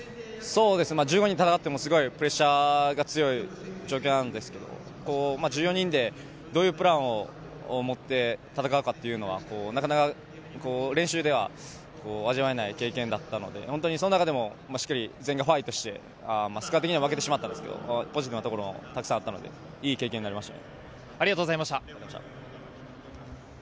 １５人で戦ってもプレッシャーが強い状況なんですけど、１４人でどういうプランを持って戦うかというのはなかなか練習では味わえない経験だったので、その中でもしっかり全員がファイトして、スコア的には負けてしまったんですけれど、ポジティブなところはたくさんあったので、いい経験になりました。